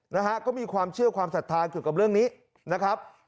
นะฮะก็มีความเชื่อความศรัทธาเกี่ยวกับเรื่องนี้นะครับ